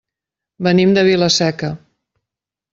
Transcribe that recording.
Venim de Vila-seca.